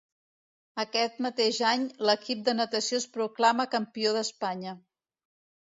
Aquest mateix any l'equip de natació es proclama campió d'Espanya.